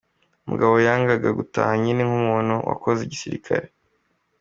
"Umugabo yangaga gutaha nyine nk'umuntu wakoze igisirikare.